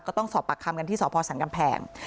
ก็ต้องสอบปากคำกันที่สศกำแพง